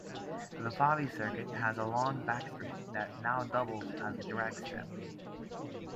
The Fabi circuit has a long backstraight that now doubles as a drag strip.